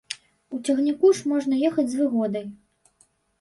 У цягніку ж можна ехаць з выгодай.